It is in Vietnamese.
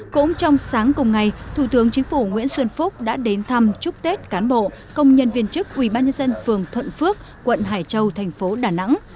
cũng trong sáng cùng ngày thủ tướng chính phủ nguyễn xuân phúc đã đến thăm chúc tết cán bộ công nhân viên chức ubnd phường thuận phước quận hải châu thành phố đà nẵng